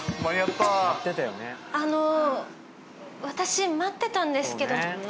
私待ってたんですけど。